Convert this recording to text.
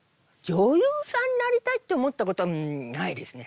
女優さんになりたいって思ったことないですね